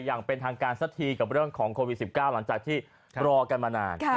อย่างเป็นทางการสักทีกับเรื่องของโควิด๑๙หลังจากที่รอกันมานาน